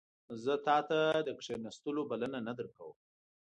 زه تا ته د کښیناستلو بلنه نه درکوم